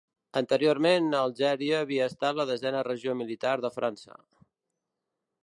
Anteriorment, Algèria havia estat la desena regió militar de França.